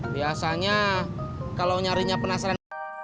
biasanya kalau nyarinya penasaran